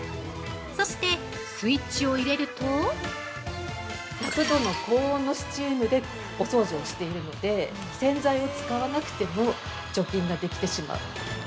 そして、スイッチを入れると◆１００度の高温のスチームでお掃除をしているので洗剤を使わなくても除菌ができてしう。